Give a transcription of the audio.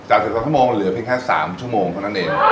๑๒ชั่วโมงเหลือเพียงแค่๓ชั่วโมงเท่านั้นเอง